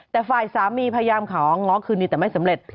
แต่ฝ่ายสามีพยายามของง้อคืนนี้แต่ไม่สำเร็จ